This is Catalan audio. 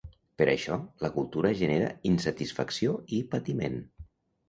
Per això, la cultura genera insatisfacció i patiment.